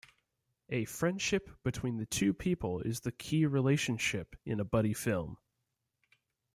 A friendship between the two people is the key relationship in a buddy film.